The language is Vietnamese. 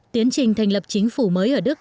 tiến trình thành lập chính phủ mới ở đức